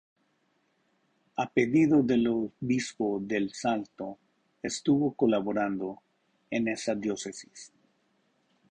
A pedido del Obispo de Salto estuvo colaborando en esa diócesis.